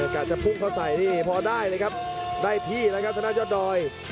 กะจะพุ่งเข้าใส่นี่พอได้เลยครับได้ที่แล้วครับชนะยอดดอย